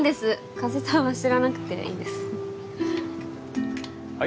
加瀬さんは知らなくていいんですはい